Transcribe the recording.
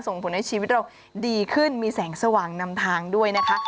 ส่งผลให้ชีวิตเราดีขึ้นมีแสงสว่างนำทางด้วยนะคะ